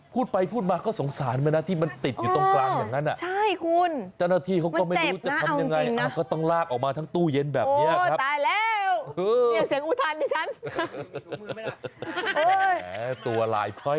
พูดไปพูดมาก็สงสารมันนะที่มันติดอยู่ตรงกลางอย่างนั้น